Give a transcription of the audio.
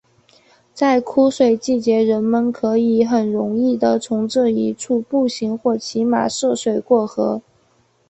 在枯水季节人们可以很容易的从这一处步行或骑马涉水过河。